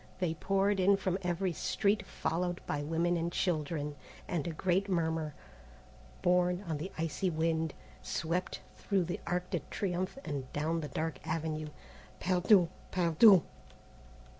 They poured in from every street followed by women and children, and a great murmur, borne on the icy wind, swept through the Arc de Triomphe and down the dark avenue, "Perdus! perdus!"